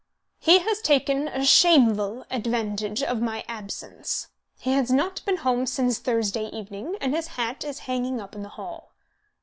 "He has taken a shameful advantage of my absence. He has not been home since Thursday evening, and his hat is hanging up in the hall."